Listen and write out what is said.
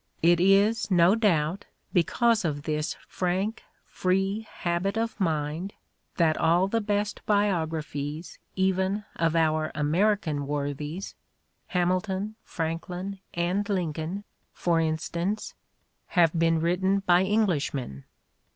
It is, no doubt, because of this frank, free habit of mind that all the best biographies even of our American worthies — Hamilton, Franklin and Lincoln, for instance — have been written by Eng lishmen!